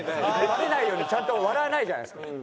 バレないようにちゃんと笑わないじゃないですか。